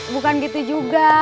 bukan gitu juga